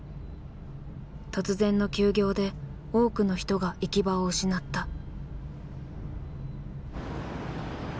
突然の休業で多くの人が行き場を失った。